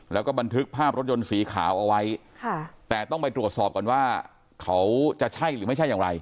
แล้วก็บันทึกภาพรถยนต์สีขาวเอาไว้แต่ต้องไปตรวจสอบก่อนว่าเขาจะใช่หรือไม่ใช่อย่างไร